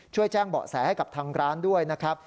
ช่วยแจ้งเบาะแสให้กับทางร้านด้วยนะครับ